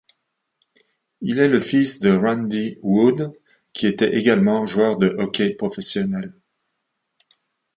Il est le fils de Randy Wood, qui étaient également joueur de hockey professionnel.